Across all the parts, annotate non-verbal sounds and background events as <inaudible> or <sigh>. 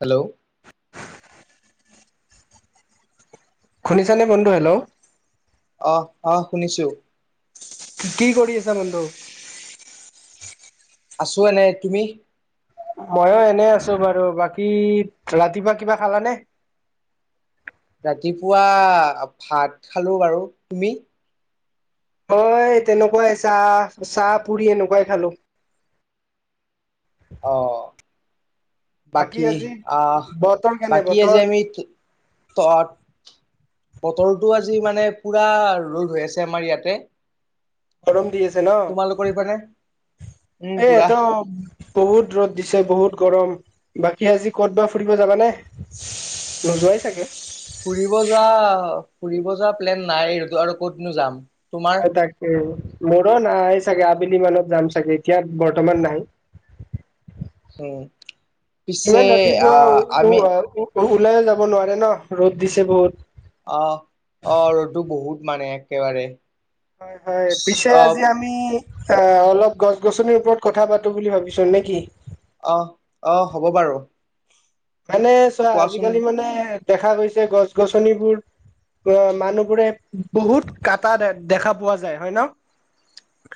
Hello, শুনিছানে বন্ধু hello, অ', অ', শুনিছো। কি কৰি আছা বন্ধু। আছোঁ এনে তুমি ময়ো এনে আছো বাৰু বাকী ৰাতিপুৱা কিবা খালানে? ৰাতিপুৱা ভাত খালো বাৰু। তুমি? মই তেনেকুৱাই চাহ চাহ পুৰি এনেকুৱাই খালো। অ বাকী আহ বতৰ কেনে বাকী আজি বতৰ আমি তত বতৰটো আজি মানে পুৰা ৰ'দ হৈ আছে আমাৰ ইয়াতে গৰম দি আছ- তোমালোকৰ ইপাৰে এ ত বহুত ৰ'দ দিছে বহুত গৰম বাকী আজি ক'ত বা ফুৰিব যাবা নে? নোযোৱাই চাগে। ফুৰিব যা ফুৰিব যা প্লেন নাই এইতো আৰু ক'তনো যাম। তোমাৰ হয় তাকে মোৰ নাই চাগে। সেদিমানত যাম চাগে এতিয়া বৰ্তমান নাই। উম পিছে ইমান ৰাতিপুৱা আহ উ আমি আ উ ওলায়েই যাব নোৱাৰে ন ৰ'দ দিছে বহুত। অ অ ৰ'দো বহুত মানে একেবাৰে হয় হয় পিছে অ আজি আমি অ অলপ গছ গছনিৰ ওপৰত কথা পাতো বুলি ভাবিছো নে কি? অ অ হ'ব বাৰু। মানে চোৱা কোৱাচোন আজিকালি মানে দেখা গৈছে গছ গছনিবোৰ অ মানুহবোৰে বহুত কাটা দে দেখা পোৱা যায় হয় ন।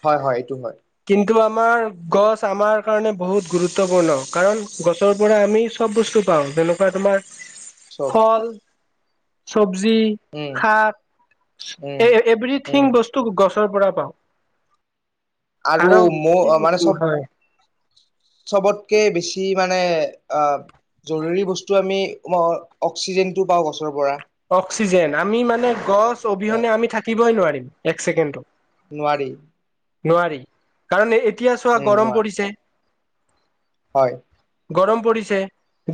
হয় হয় এইটো হয়। কিন্তু আমাৰ গছ আমাৰ কাৰণে বহুত গুৰুত্বপূৰ্ণ কাৰণ গছৰ পৰা আমি চব বস্তু পাওঁ জেনেকা তোমাৰ চব ফল চব- জী উম শাক উম উম এভৰিথিং বস্তু গছ ত পৰা পাওঁ আৰু মৌ মানে চব হয়। চবতকে বেছি মানে অ জৰুৰী বস্তু আমি অক্সিজেনটো পাওঁ গছৰ পৰা। অক্সিজেন আমি মানে গছ এ অবিহনে আমি থাকিবই নোৱাৰিম এক ছেকেণ্ডতো। নোৱাৰি নোৱাৰি কাৰণ এতিয়া চোৱা উম গৰম নোৱাৰ পৰিছে, হয় গৰম পৰিছে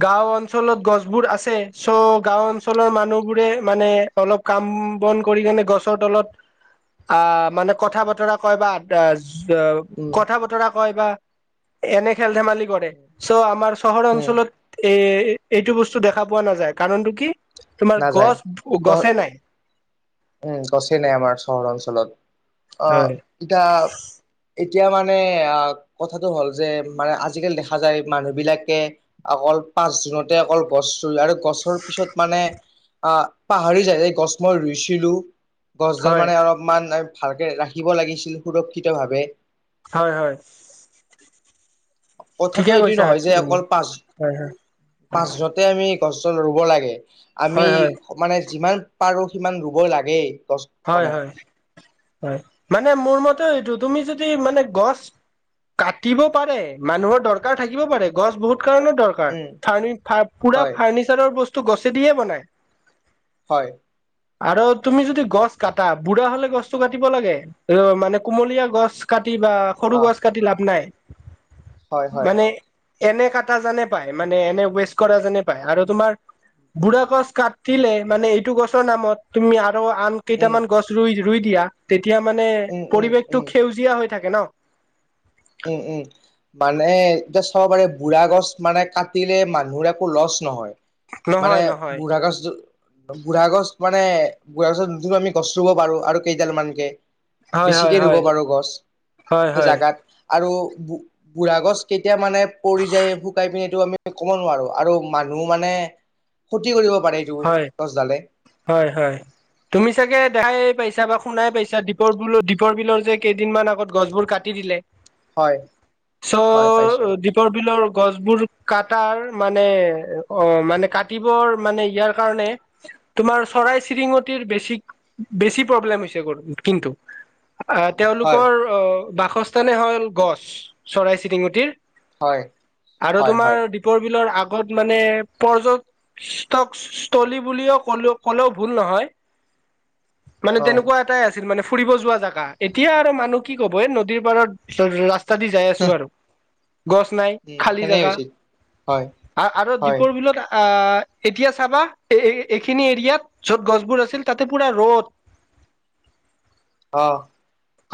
গাও অঞ্চলত গছবোৰ আছে চ' গাও অঞ্চলৰ মানুহ বোৰে মানে অলপ কাম বন কৰি কেনে গছৰ তলত অ মানে কথা বতৰা কয় বা অ উম কথা বতৰা কয় বা এনে খেল ধেমালি কৰে চ' আমাৰ চহৰ উম অঞ্চলত এ এইটো বস্তু দেখা পোৱা নাযায় কাৰণতটো কি তোমাৰ নাযায় গছ গ গছে নাই। উম গছে নাই আমাৰ চহৰ অঞ্চলত আহ হয় এতিয়া এতিয়া মানে আহ কথাটো হ'ল যে মানে আজিকালি দেখা যায় মানুহ বিলাকে অকল পাঁচ জুনতে অকল গছ ৰুই আৰু গছৰ পিছত মানে আহ পাহৰি যায় এই গছ মই ৰুইছ- ছিলো, গছডাল হয় মানে অলপমান ভালকে ৰাখিব লাগিছিল, সুৰক্ষিতভাৱে হয় হয়। কথাতটো ঠিকে এইটো কৈছা নহয় যে অকল পাঁচ হয় পাঁচ জুনতে আমি গছ চছ ৰুব লাগে, আমি হয় হয় হয় মানে যিমান পাৰোঁ সিমান ৰুব লাগেই। গছ হয় মানে হয় হয় মানে মোৰ মতে এইটো তুমি যদি মানে গছ কাটিব পাৰে মানুহৰ দৰকাৰ থাকিব পাৰে গছ বহুত কাৰো দৰকাৰ উম পুৰা হয় ফাৰ্ণিচাৰৰ বস্তু গছে দিয়ে বনাই <unintelligible> হয় আৰু তুমি যদি গছ কাটা বুঢ়া হ'লে গছ তু কাটিব লাগে অ মানে কুমলীয়া গছ কাটি বা অ সৰু গছ কাটি লাভ নাই হয় হয় মানে এনে কটা যেনে পায়, মানে এনে ৱেষ্ট কৰা যেনে পায়, আৰু তোমাৰ বুঢ়া গছ কাটিলে মানে এইটো গছৰ নামত তুমি আৰু আন উম কেইটামান গছ ৰুই দিয়া তেতিয়া মানে উম উম পৰিৱেশটো উম সেউজীয়া হৈ থাকে ন উম উম মানে এতিয়া চাব পাৰে বুঢ়া গছ মানে কাটিলে মানুহৰ একো লচ নহয় মানে নহয় নহয় বুঢ়াগছ বুঢ়াগছ মানে বুঢ়াৰ পাছত যোনটো আমি গছ ৰুব পাৰো আৰু কেইডালমানকে হয় হয় বেছিকে ৰুব হয় পাৰো গছ হয় সেই হয় জাগাত আৰু বুঢ়া গছ কেতিয়া মানে পৰি যায় শুকাই পিনেটো আমি ক'ব নোৱাৰো আৰু মানুহ মানে ক্ষতি কৰিব। পাৰে এইটো হয় গছডালে হয় হয় তুমি চাগে দেখাই পাইছ পাইছা বা শুনাই পাইছা দীপৰ বিল দ্বীপৰ বিলৰ যে কেইদিনমান আগত গছবোৰ কাটি দিলে। হয় চ হয় পাইছো দীপৰ বিলৰ গছবোৰ কাট মানে অ মানে কাটিবৰ মানে ইয়াৰ কাৰণে তোমাৰ চৰাই চিৰিঙতিৰ বেছি বেছি প্ৰব্লেম হৈছে কিন্তু <unintelligible> <inaudible> হয় তেওঁলোকৰ বাসস্থানে হ'ল গছ চৰাই চিৰিঙুটিৰ হয় আৰু হয় তোমাৰ হয় দীপৰ বিলৰ আগত মানে পৰ্যক কস্থলী বুলিও কলে ক'লেও ভুল নহয়। <unintelligible> মানে অ উম তেনেকুৱা এটাই আছিল মানে। ফুৰিব যোৱা জেগা, এতিয়া আৰু মানুহ কি কব এই নদীৰ পাৰত ৰাস্ত যাই আছো আৰু গছ নাই খালী সেনে জেগা হৈছিল হয় আৰু আৰু হয় দীপৰ বিলত আহ এতিয়া চাবা এইখিনি এৰিয়াত য'ত গছবোৰ আছিল তাতে পুৰা ৰ'দ অ।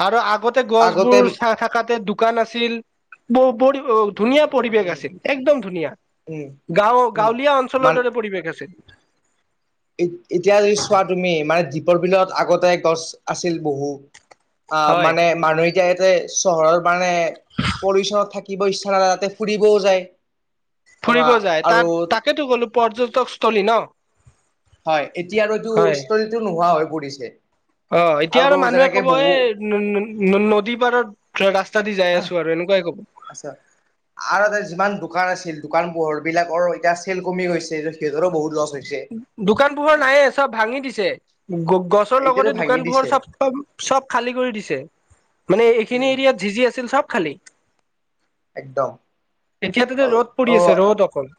আৰু আগতে গছবোৰ আগতে চা থাকাতে দোকান আছিল। <unintelligible> ধুনীয়া পৰিৱেশ উম আছিল একদম ধুনীয়া। উম গাঁও গাঁৱলীয়া অঞ্চলৰ দৰে পৰিৱেশ আছে। এ এতিয়া যদি চোৱা তুমি মানে দ্বীপৰ বিলত আগতে গছ ছিল বহু আ হয় মানে মানুহে এতিয়াতে চহৰৰ মানে পলিউচনত থাকিব ইচ্ছা নাযায় তাতে ফুৰিবও যায়। ফুৰিব আমা যায় আৰু তাত তাকেতো গ'লো পৰ্যটকস্থলী ন। হয় এতিয়া আৰু এইটো হয় ষ্টৰিটো নোহোৱা হৈ পৰিছে। অ এতিয়া আৰু মানুহে যেনেকে কব বহু এই ন ন ন নদী পাৰত ৰাস্তা দি যাই আহ আছো আৰু এনে এনেকুৱাই কব। আৰু এতে যিমান দোকান আছে দোকান পোহৰ বিলাকৰ এতিয়া চেল কমি গৈছে। সিহতৰো বহুত লচ। দোকান পোহৰ নায়ে চব ভাঙি দিছে। গ গছৰ এতিয়াতো লগতে ভাঙি দোকানবোৰৰ দিছে চব তম চব খালী কৰি দিছে। মানে এইখিনি উম এৰিয়াত জিজি আছিল চব খালি। একদম এতিয়াটো যে অ ৰ'দ পৰি অ আছে ৰ'দ অকল।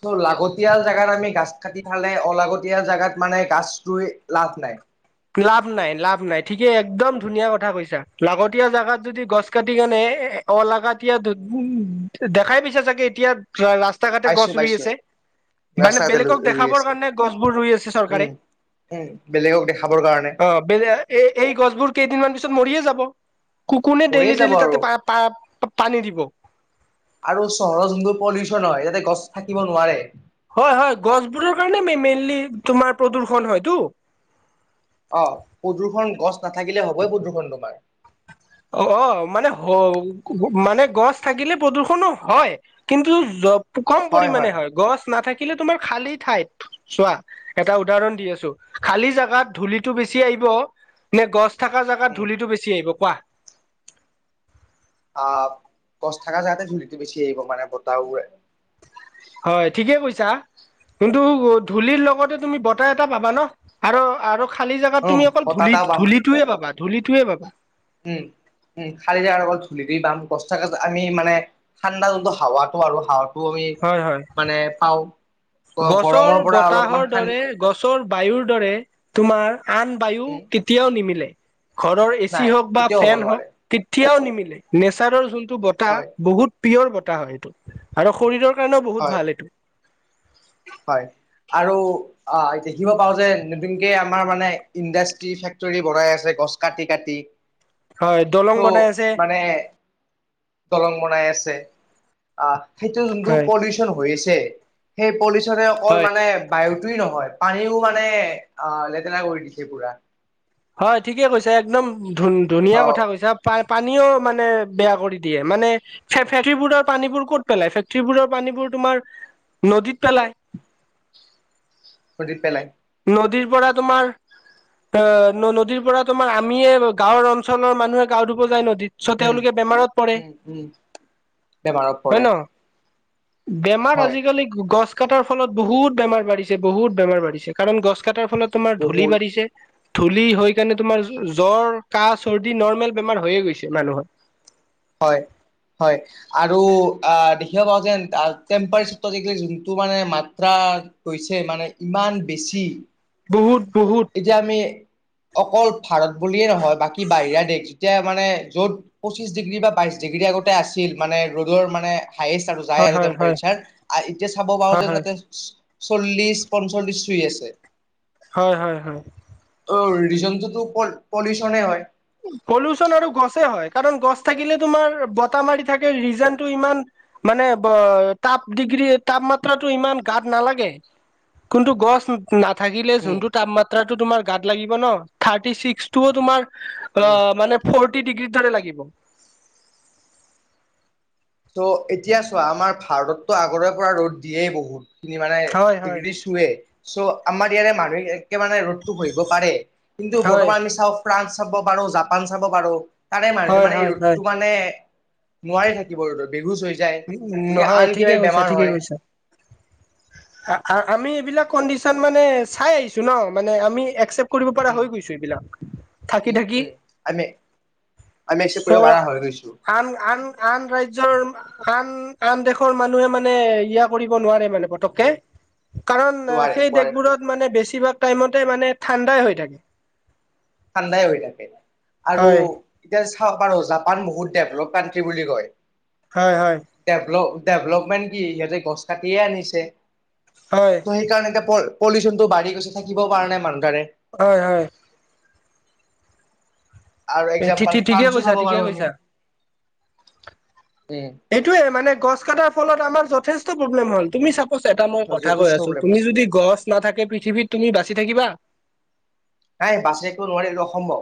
চ' লাগতিয়াল জেগাত আমি গাছ কাটি খালে অলাগতিয়াল জাগাত মানে গাছটোৱে লাভ নাই। লাভ নাই লাভ নাই। ঠিকে একদম ধুনীয়া কথা কৈছা। লাগতীয়া জাগাত যদি গছ কাটি কেনে অলাগাতীয়া উ দেখাই দিছে চাগে এতিয়া। হয় ৰাস্তা ঘাটে পাইছো গছ ৰুই পাইছো আছে। মানে ৰাস্তা ঘাটে বেলেগক ৰুই দেখাবৰ আছে কাৰণে গছবোৰ ৰুই আছে চৰকাৰে। উম। উম বেলেগক দেখাবৰ কাৰণে অ বেলে এই এই গছবোৰ কেইদিনমান পিছত মৰিয়ে যাব। কু কোনে মৰিয়ে ডেইলি যাব ডেইলি আৰু। তাতে পা পা পানী দিব। আৰু চহৰত যোনটো পলিউচন হয় য়াতে গছ থাকিব নোৱাৰে। হয় হয় গছবোৰৰ কাৰণে মেইনলি তোমাৰ প্ৰদূ্ষন হয়টো। অ প্ৰদূৰষণ গছ নাথাকিলে হ'বই প্ৰদূষণ তোমাৰ। অ অ মানে হ মানে গছ থাকিলে প্ৰদূষণো হয় কিন্তু কম পৰিমানে হয়। গছ নাথাকি ল তোমাৰ খালি ঠাইত। চোৱা এটা উদাহৰণ দি আছো। খালি জেগাত ধূলিটো বেছি আহি ব নে গছ থাকা জেগাত উম। ধূলিটো বেছি আহিব কোৱা? আহ গছ থকা জাগাতে ধূলিটো বেছি আহিব মানে বতাহওৱে। হয় ঠিকে কৈছা। কিন্তু ধূলিৰ লগতে তুমি বতাহ এটা পাবা ন আৰু আৰু খালী জেগাত অ তুমি অকল বতাহ ধূলি এটা পাম। ধূলিটোয়ে পাবা ধূলিটোয়ে পাবা। উম। উম খাৰিয়াৰ অকল ধূলি দি বা গছাকচ আমি মানে ঠাণ্ডা যোনটো হাৱাটো আৰু হাৱাত আমি হয় হয় মানে পাওঁ। গৰমৰ গছৰ পৰা অলপমান বতাহৰ শান দৰে গছৰ বায়ুৰ দৰে তোমাৰ আন বায়ু উম, কেতিয়াও নিমিলে। ঘৰৰ নাই এচি হওক বা কেতিয়াও হ'ব ফেন হওঁক নোৱাৰে কেতিয়াও নিমিলে। নেচাৰৰ যোনটো বতাহ হয়, বহুত পিয়ৰ বতাহ হয় এইটো আৰু শৰীৰৰ কাৰণেও বহুত হয়, ভাল এইটো। হয়। আৰু অ দেখিব পাও যে নতুনকে আমাৰ মানে ইণ্ডাষ্ট্ৰি ফেক্টৰী বনাই আছে। গছ কাটি কাটি হয় দলং চ' বনাই আছে মানে দলং বনাই আছে আহ সেইটো যোনটো হয় পলিউচন হৈ আছে। সেই পলি অকল মানে বায়ুটোৱেও নহয়। পানীও মানে আহ লেতেৰা কৰি দিছে পুৰা। হয় ঠিকে কৈছে একদম ধুন ধুনীয়া আহ কথা কৈছা পাই। পানীও মানে বেয়া কৰি দিয়ে মানে ফে ফেটিবোৰৰ পানীবোৰ ক'ত পেলাই ফেক্টৰী বোৰৰ পানীবোৰ। তোমাৰ নদীত পেলাই নদিত পেলাই নদীৰ তোমাৰ অ নদীৰ পৰা তোমাৰ আমিয়ে গাঁৱৰ অঞ্চলৰ মানুহে গাৱ ধুব যায় নদী দৃশ্য উম তেওঁলোকে বেমাৰত পৰে উম উম বেমাৰত হয় পৰে ন বেমাৰ হয় আজিকালি গছ কটাৰ ফলত বহুত বেমাৰ বাঢ়িছে বহুত বেমাৰ বাঢ়িছে কাৰণ গছ কটাৰ ফলত তোমাৰ ধূলি বহুত বাঢ়িছে ধূলি হৈ কাৰণে তোমাৰ উম জ্বৰ কাহ চৰ্দি নৰ্মেল বেমাৰ হৈয়ে গৈছে মানুহৰ হয় হয় আৰু দেখিব পাও যে <unintelligible> যোনটো মানে মাত্ৰা মানে ইমান বেছি বহুত বহুত এতিয়া আমি অকল ভাৰত বুলিয়ে নহয় বাকী বাহিৰা দেশ যেতিয়া মানে য'ত পঁচিশ ডিগ্ৰী বা বাইশ ডিগ্ৰী আগতে আছিল মানে ৰ'দৰ মানে হায়েষ্ট আৰু যায় হয় আৰু হয় হয় টেম্পচাৰ এতিয়া চাব পাৰো হয় যে হয় যাতে চল্লিছ পঞ্চল্লিছ ছুই আছে। হয় হয় হয় অ ৰিজনটোতো পলিউচনে হয়। পলুচন আৰু গছে হয় কাৰণ গছ থাকিলে তোমাৰ বতা মাৰি থাকে ৰিজনটো ইমান মানে তাপ ডিগ্ৰী তাপমাত্ৰাটো ইমান গাত নালাগে কোনটো গছ নাথাকিলে উম, যোনটো তাপমাত্ৰাতো তোমাৰ গাত লাগিব ন থাৰ্টি ছিক্সটোও তোমাৰ অ উম। মানে ফৰটি ডিগ্ৰ্ৰী ধৰে লাগিব ত' এতিয়া চোৱা আমাৰ ভাৰতততো আগৰে পৰা ৰ'দ দিয়েই বহুত খিনি মানে হয় হয় ডিগ্ৰী চুৱে চ' আমাৰ ইয়াৰে মানুহে একে মানে ৰ'দটো সসিব পাৰে কিন্তু হয় বৰ্তমান আমি চাওঁ ফ্ৰান্স চাব পাৰো জাপান চাব পাৰো তাৰে মানুহটো হয় মানে এই হয় হয় ৰ'দতটো মানে নোৱাৰি থাকিব ৰ'দত বেহুচ হৈ যায় গতিকে নহয় আন কিবা ঠিকে কৈছা বেমাৰ ঠিকে হয় কৈছা আমি এইবিলাক কনডিচন মানে চাই আহিছো ন মানে আমি একচেপ কৰিব পৰা উম, হৈ গৈছো এইবিলাক থাকি উম, থাকি উম আমি আমি একচেপ্ট কৰিব চ' পাৰা হৈ গৈছো আন আন আন ৰাজ্য নিজৰ আন আন দেশৰ মানুহে মানে ইয়া কৰিব নোৱাৰে মানে পতককে কাৰণ নোৱাৰে সেই নোৱাৰে দেশবোৰত মানে বেছিভাগ টাইমতে মানে ঠাণ্ডাই হৈ থাকে ঠাণ্ডাই হৈ থাকে আৰু হয় এতিয়া পাৰো জাপান বহুত ডেভলপ কানটি বুলি কয় হয় হয় ডেভলপ ডেভলপমেণ্ট কি সিহঁতে গছ কাটিয়ে আনিছে হয় চ' সেইকাৰণে এ বৰ পলিউচনটো বাঢ়ি গৈছে থাকিব পৰানাই মানুহ তাৰে হয় হয় আৰু একজাম্পল ঠিঠি ঠিকে ফ্ৰান্সো কৈছা চাব ঠিকে পাৰো আমি কৈছা উম এইটোয়ে মানে গছ কটাৰ ফলত আমাৰ যথেষ্ট প্ৰব্লেম হল তুমি চাব এটা মই কথা কৈ যথেষ্ট আছো প্ৰব্লেম তুমি হৈছে যদি গছ নাথাকে পৃথিৱীত তুমি বাচি থাকিবা নাই বাছি নোৱাৰি এইটো অসম্ভৱ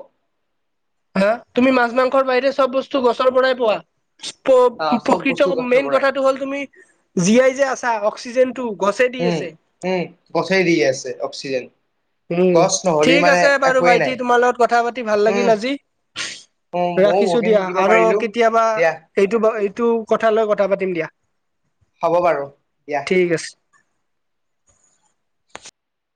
হা তুমি মাছ মাংসৰ বাহিৰে চব বস্তু গছৰ পৰাই পোৱা আহ চব বস্তু প্ৰকৃত গছৰ মেইন পৰাই কথাটো হ'ল তুমি জিআই যে আছা অক্সিজেন উম উম গছেই দি আছে অক্সিজেন উম গছ নহ'লে ঠিক মানে আছে বাৰু একোৱেই নাই ভাইটি তোমাৰ লগত কথা পাতি ভাল উম লাগিল আজি ময়ো ৰাখিছো বহুতখিনি দিয়া শিকিব আৰু পাৰিলো কেতিয়াবা দিয়া এইটো এইটো কথা লৈ কথা পাতিম দ দিয়া হ'ব বাৰু দিয়া ঠিক আছে